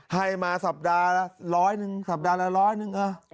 ให้มาสัปดาห์ละร้อยหนึ่งสัปดาห์ละร้อยหนึ่ง